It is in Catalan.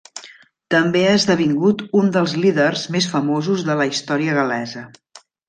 També ha esdevingut un dels líders més famosos de la història gal·lesa.